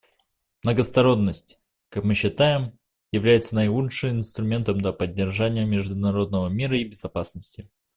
Многосторонность, как мы считаем, является наилучшим инструментом для поддержания международного мира и безопасности.